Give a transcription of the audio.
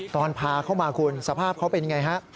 ตอนพาเข้ามาคุณสภาพเขาเป็นอย่างไรฮะ